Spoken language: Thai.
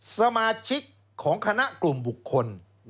สมาชิกของคณะกลุ่มบุคคล